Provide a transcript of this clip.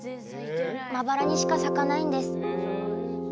まばらにしか咲かないんです。